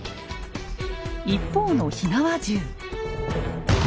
一方の火縄銃。